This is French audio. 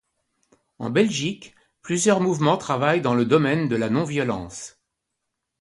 En Belgique, plusieurs mouvements travaillent dans le domaine de la non-violence.